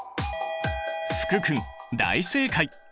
福君大正解！